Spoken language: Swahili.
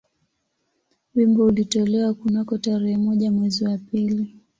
Wimbo ulitolewa kunako tarehe moja mwezi wa pili